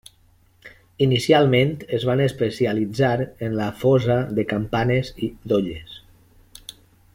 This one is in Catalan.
Inicialment es van especialitzar en la fosa de campanes i d'olles.